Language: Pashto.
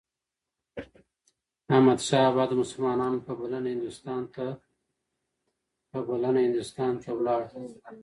احمدشاه بابا د مسلمانانو په بلنه هندوستان ته لاړ.